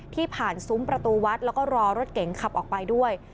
ผ่านซุ้มประตูวัดแล้วก็รอรถเก๋งขับออกไปด้วย